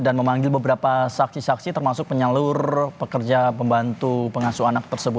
dan memanggil beberapa saksi saksi termasuk penyalur pekerja pembantu pengasuh anak tersebut